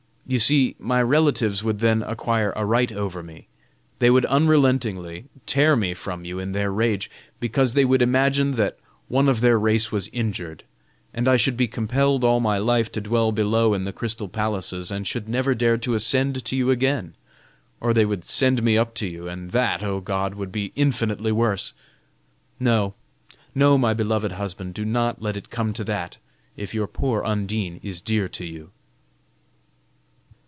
You see, my relatives would then acquire a right over me. They would unrelentingly tear me from you in their rage; because they would imagine that one of their race was injured, and I should be compelled all my life to dwell below in the crystal palaces, and should never dare to ascend to you again; or they would send me up to you and that, oh God, would be infinitely worse. No, no, my beloved husband, do not let it come to that, if your poor Undine is dear to you."